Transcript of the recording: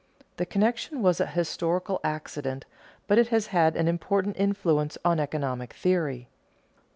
The connection was a historical accident, but it has had an important influence on economic theory.